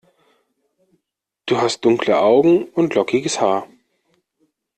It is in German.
Du hast dunkle Augen und lockiges Haar.